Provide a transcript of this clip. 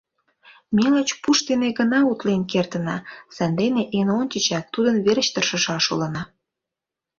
Ме лач пуш дене гына утлен кертына, сандене эн ончычак тудын верч тыршышаш улына.